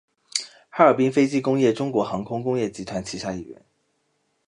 哈尔滨飞机工业中国航空工业集团旗下一员。